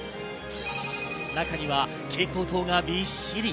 中には蛍光灯がびっしり。